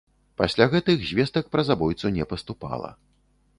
Пасля гэтых звестак пра забойцу не паступала.